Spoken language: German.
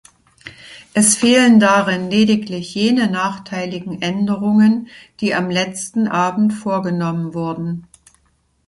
Es fehlen darin lediglich jene nachteiligen Änderungen, die am letzten Abend vorgenommen wurden.